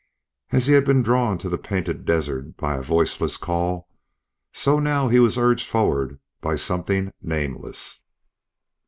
As he had been drawn to the Painted Desert by a voiceless call, so now he was urged forward by something nameless.